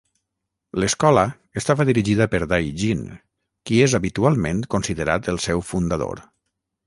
L'escola estava dirigida per Dai Jin, qui és habitualment considerat el seu fundador.